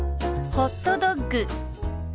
「ホットドッグ」。